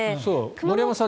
森山さん